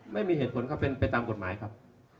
ไม่มีเหตุผลก็เป็นไปตามกฎหมายครับ